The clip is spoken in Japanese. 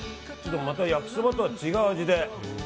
また焼きそばとは違う味で。